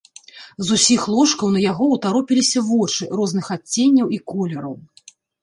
З усіх ложкаў на яго ўтаропіліся вочы розных адценняў і колераў.